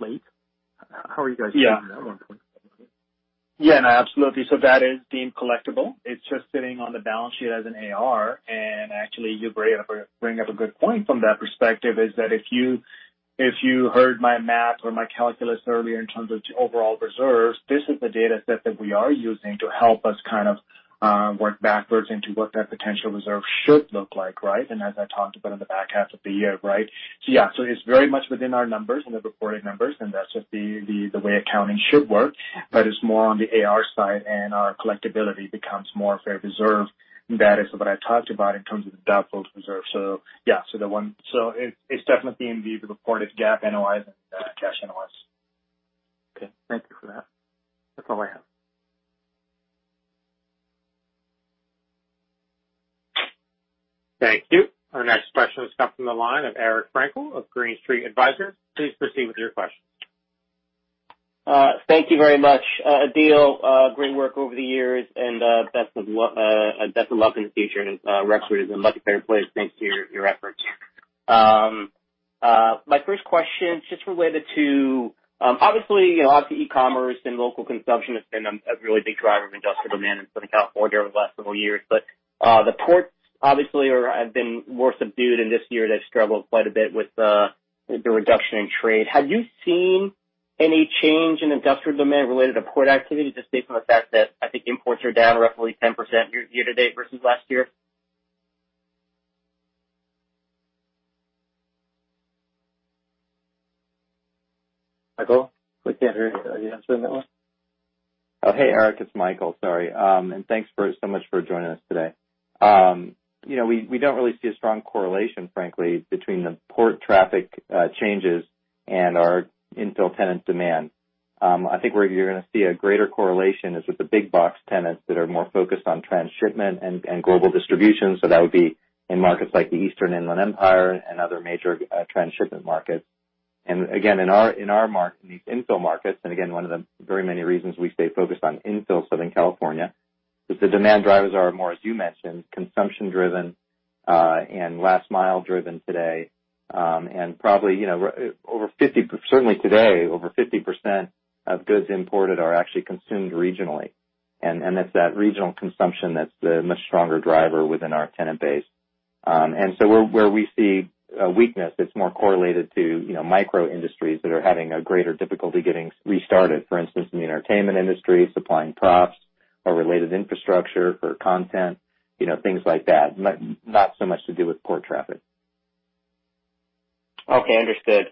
late? How are you guys doing that one point? Yeah, no, absolutely. That is deemed collectible. It's just sitting on the balance sheet as an AR, actually, you bring up a good point from that perspective is that if you heard my math or my calculus earlier in terms of overall reserves, this is the data set that we are using to help us kind of work backwards into what that potential reserve should look like, right? As I talked about in the back half of the year. Yeah. It's very much within our numbers, in the reported numbers, and that's just the way accounting should work, but it's more on the AR side, and our collectibility becomes more of a reserve. That is what I talked about in terms of the doubtful reserve. Yeah. It's definitely in the reported GAAP NOI and cash NOI. Okay, thank you for that. That's all I have. Thank you. Our next question has come from the line of Eric Frankel of Green Street Advisors. Please proceed with your question. Thank you very much. Adeel, great work over the years, best of luck in the future. Rexford Industrial is in a much better place thanks to your efforts. My first question is just related to, obviously, a lot of the e-commerce and local consumption has been a really big driver of industrial demand in Southern California over the last several years. The ports obviously have been more subdued in this year. They've struggled quite a bit with the reduction in trade. Have you seen any change in industrial demand related to port activity, just based on the fact that I think imports are down roughly 10% year to date versus last year? Michael, quick answer. You answering that one? Eric, it's Michael. Sorry. Thanks so much for joining us today. We don't really see a strong correlation, frankly, between the port traffic changes and our infill tenant demand. I think where you're going to see a greater correlation is with the big box tenants that are more focused on transshipment and global distribution. That would be in markets like the Eastern Inland Empire and other major transshipment markets. Again, in these infill markets, and again, one of the very many reasons we stay focused on infill Southern California is the demand drivers are more, as you mentioned, consumption driven and last mile driven today. Certainly today, over 50% of goods imported are actually consumed regionally. It's that regional consumption that's the much stronger driver within our tenant base. Where we see a weakness, it's more correlated to micro industries that are having a greater difficulty getting restarted. For instance, in the entertainment industry, supplying props or related infrastructure for content, things like that. Not so much to do with port traffic. Okay. Understood.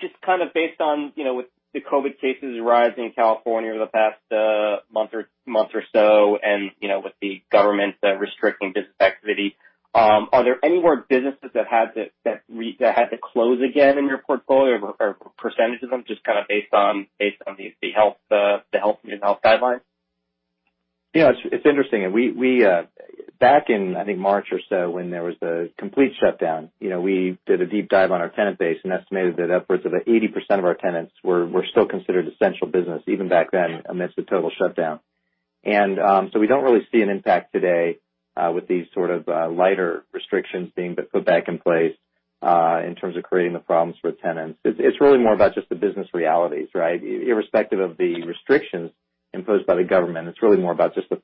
Just kind of based on with the COVID-19 cases rising in California over the past month or so, and with the government restricting business activity, are there any more businesses that had to close again in your portfolio or percentage of them, just kind of based on the health and health guidelines? Yeah. It's interesting. Back in, I think March or so when there was the complete shutdown, we did a deep dive on our tenant base and estimated that upwards of 80% of our tenants were still considered essential business even back then amidst the total shutdown. We don't really see an impact today with these sort of lighter restrictions being put back in place in terms of creating the problems for tenants. It's really more about just the business realities, right? Irrespective of the restrictions imposed by the government, it's really more about just the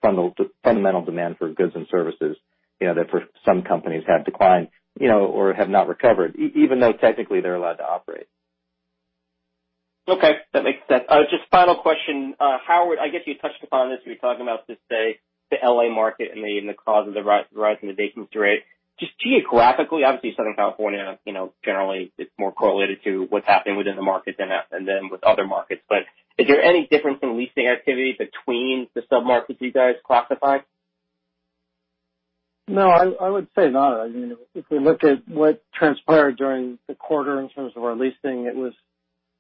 fundamental demand for goods and services that for some companies have declined or have not recovered, even though technically they're allowed to operate. Okay. That makes sense. Just final question. Howard, I guess you touched upon this when you were talking about just the L.A. market and the cause of the rise in the vacancy rate. Just geographically, obviously Southern California, generally it's more correlated to what's happening within the market than with other markets. Is there any difference in leasing activity between the sub-markets you guys classify? No, I would say not. If we look at what transpired during the quarter in terms of our leasing, it was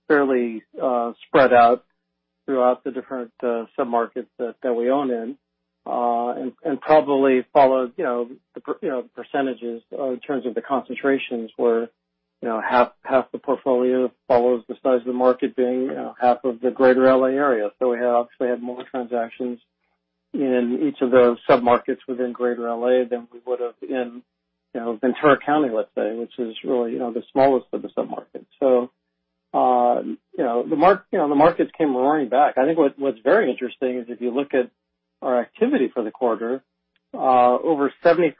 fairly spread out throughout the different sub-markets that we own in and probably followed the percentages in terms of the concentrations where half the portfolio follows the size of the market being half of the greater L.A. area. We obviously had more transactions in each of those sub-markets within greater L.A. than we would have in Ventura County, let's say, which is really the smallest of the sub-markets. The markets came roaring back. I think what's very interesting is if you look at our activity for the quarter, over 70%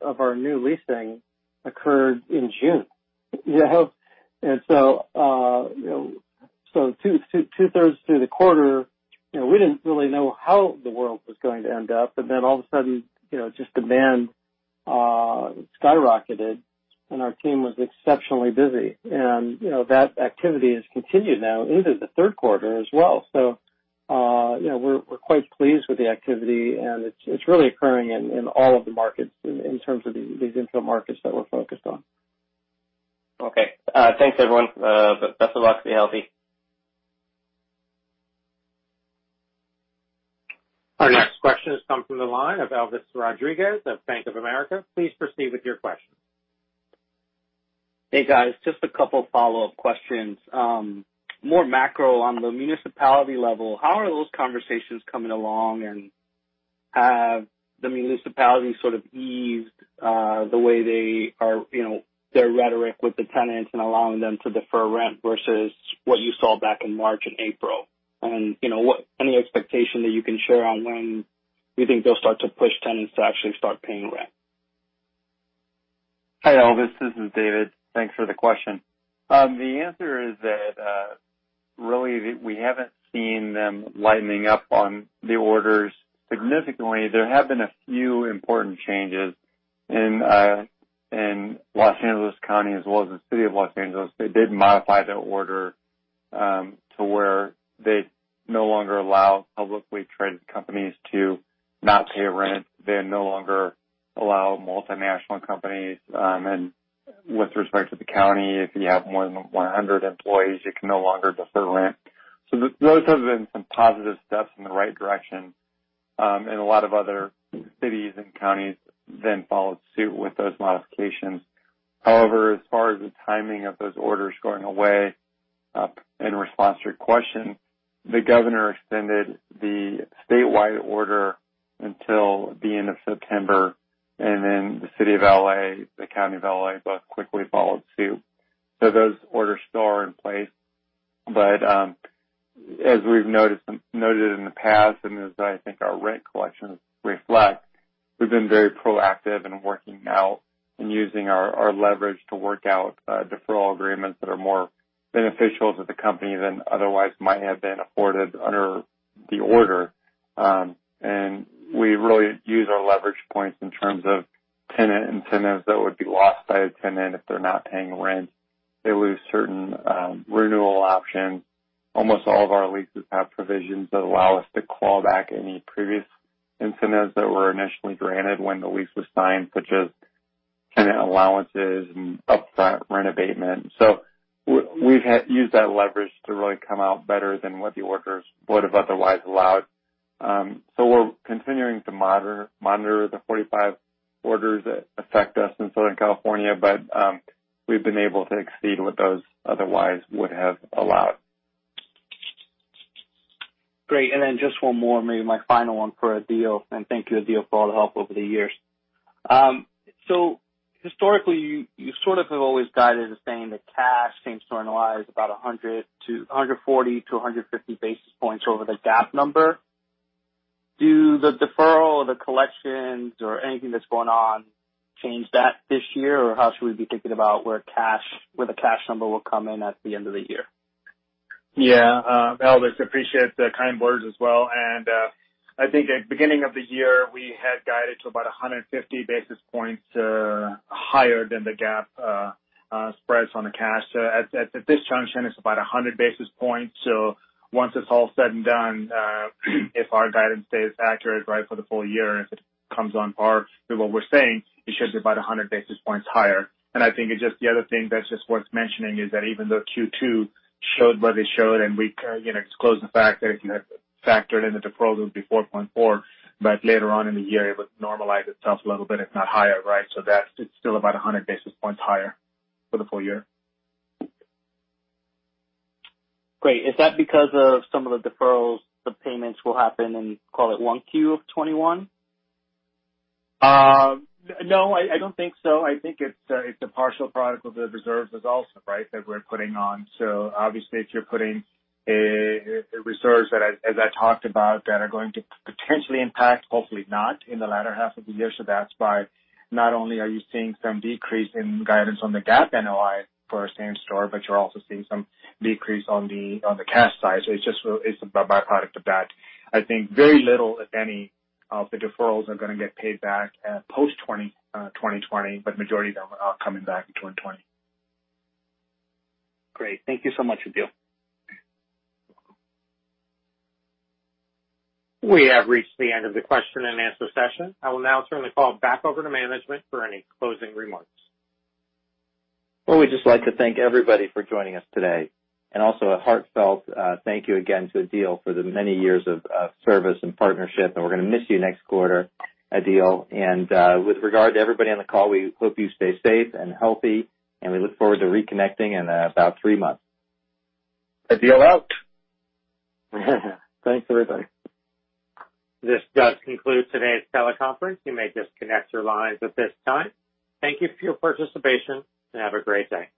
of our new leasing occurred in June. Two-thirds through the quarter, we didn't really know how the world was going to end up. All of a sudden just demand skyrocketed, and our team was exceptionally busy. That activity has continued now into the third quarter as well. We're quite pleased with the activity, and it's really occurring in all of the markets in terms of these infill markets that we're focused on. Okay. Thanks, everyone. Best of luck. Stay healthy. Question has come from the line of Elvis Rodriguez of Bank of America. Please proceed with your question. Hey, guys. Just a couple follow-up questions. More macro on the municipality level, how are those conversations coming along? Have the municipalities sort of eased their rhetoric with the tenants and allowing them to defer rent versus what you saw back in March and April? Any expectation that you can share on when you think they'll start to push tenants to actually start paying rent? Hi, Elvis. This is David. Thanks for the question. The answer is that really, we haven't seen them lightening up on the orders significantly. There have been a few important changes in Los Angeles County as well as the City of Los Angeles. They did modify the order to where they no longer allow publicly traded companies to not pay rent. They no longer allow multinational companies. With respect to the county, if you have more than 100 employees, you can no longer defer rent. Those have been some positive steps in the right direction, and a lot of other cities and counties then followed suit with those modifications. However, as far as the timing of those orders going away, in response to your question, the governor extended the statewide order until the end of September, then the City of L.A., the County of L.A., both quickly followed suit. Those orders still are in place. As we've noted in the past, and as I think our rent collections reflect, we've been very proactive in working out and using our leverage to work out deferral agreements that are more beneficial to the company than otherwise might have been afforded under the order. We really use our leverage points in terms of tenant incentives that would be lost by a tenant if they're not paying rent. They lose certain renewal options. Almost all of our leases have provisions that allow us to claw back any previous incentives that were initially granted when the lease was signed, such as tenant allowances and upfront rent abatement. We've used that leverage to really come out better than what the orders would have otherwise allowed. We're continuing to monitor the 45 orders that affect us in Southern California, but we've been able to exceed what those otherwise would have allowed. Great. Just one more, maybe my final one for Adeel, thank you, Adeel, for all the help over the years. Historically, you sort of have always guided as saying that cash same-store NOI is about 140-150 basis points over the GAAP number. Do the deferral or the collections or anything that's going on change that this year? How should we be thinking about where the cash number will come in at the end of the year? Elvis, appreciate the kind words as well. I think at the beginning of the year, we had guided to about 150 basis points higher than the GAAP spreads on the cash. At this juncture, it's about 100 basis points. Once it's all said and done, if our guidance stays accurate for the full year, and if it comes on par with what we're saying, it should be about 100 basis points higher. I think just the other thing that's just worth mentioning is that even though Q2 showed what it showed, and we disclosed the fact that if you had factored in the deferral, it would be 4.4, but later on in the year, it would normalize itself a little bit, if not higher. It's still about 100 basis points higher for the full year. Great. Is that because of some of the deferrals, the payments will happen in, call it 1Q of 2021? No, I don't think so. I think it's a partial product of the reserves as well, so obviously, if you're putting reserves that, as I talked about, that are going to potentially impact, hopefully not, in the latter half of the year. That's why not only are you seeing some decrease in guidance on the GAAP NOI for same-store, but you're also seeing some decrease on the cash side. It's a byproduct of that. I think very little, if any, of the deferrals are going to get paid back post 2020, but majority of them are coming back in 2020. Great. Thank you so much, Adeel. We have reached the end of the question-and-answer session. I will now turn the call back over to management for any closing remarks. Well, we'd just like to thank everybody for joining us today, and also a heartfelt thank you again to Adeel for the many years of service and partnership, and we're going to miss you next quarter, Adeel. With regard to everybody on the call, we hope you stay safe and healthy, and we look forward to reconnecting in about three months. Adeel out. Thanks, everybody. This does conclude today's teleconference. You may disconnect your lines at this time. Thank you for your participation, and have a great day.